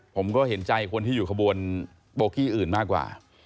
ผมก็เห็นใจคนที่อยู่ขบวนโบกี้อื่นมากกว่า